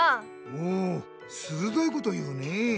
おおするどいことを言うねえ。